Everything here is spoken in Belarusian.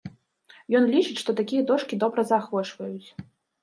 Ён лічыць, што такія дошкі добра заахвочваюць!